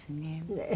ねえ。